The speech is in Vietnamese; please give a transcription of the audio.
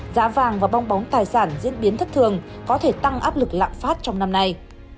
giá vàng và bong bóng tài sản diễn biến thất thường có thể tăng áp lực lạm phát trong năm nay